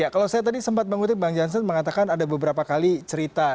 kalau saya tadi sempat mengutip bang jansen mengatakan ada beberapa kali cerita